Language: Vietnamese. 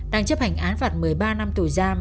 đang chấp hành án phạt một mươi ba năm tù giam